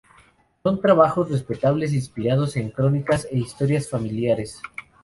Son trabajos respetables inspirados en crónicas e historias familiares.